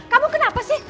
kamu kenapa sih